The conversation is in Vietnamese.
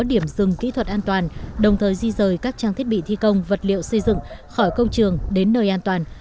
điểm dừng kỹ thuật an toàn đồng thời di rời các trang thiết bị thi công vật liệu xây dựng khỏi công trường đến nơi an toàn